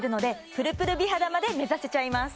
プルプル美肌まで目指せちゃいます